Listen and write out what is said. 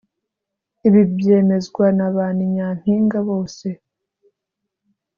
ibi byemezwa na ba ni nyampinga bose